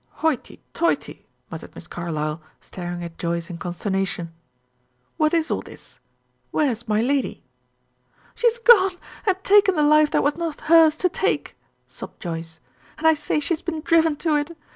"Hoity toity!" muttered Miss Carlyle, staring at Joyce in consternation. "What is all this? Where's my lady?" "She has gone and taken the life that was not hers to take," sobbed Joyce, "and I say she has been driven to it.